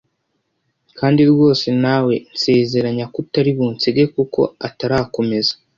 kandi rwose nawe nsezeranya ko utari bunsige kuko……… atarakomeza,